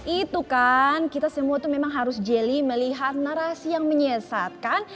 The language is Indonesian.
itu kan kita semua itu memang harus jeli melihat narasi yang menyesatkan